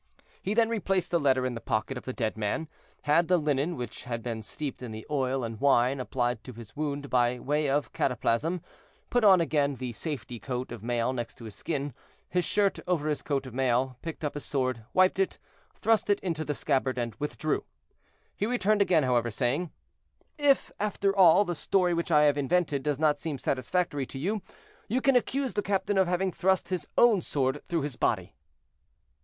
He then replaced the letter in the pocket of the dead man, had the linen, which had been steeped in the oil and wine, applied to his wound by way of a cataplasm, put on again the safety coat of mail next to his skin, his shirt over his coat of mail, picked up his sword, wiped it, thrust it into the scabbard, and withdrew. He returned again, however, saying: "If, after all, the story which I have invented does not seem satisfactory to you, you can accuse the captain of having thrust his own sword through his body."